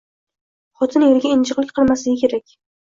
Xotin eriga injiqlik qilmasligi kerak.